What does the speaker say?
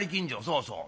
「そうそう。